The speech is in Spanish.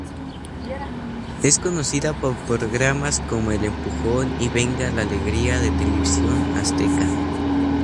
Es conocida por programas como El Empujón y Venga la Alegría de Televisión Azteca.